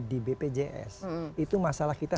di bpjs itu masalah kita